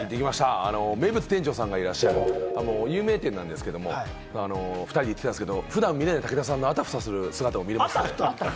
名物店長さんがいらっしゃる有名店なんですけれど、２人で行ってきたんですけれど、普段見れない、あたふたする武田さんの姿も見れました。